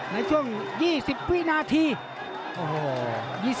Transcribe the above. ในช่วง๒๐วินาที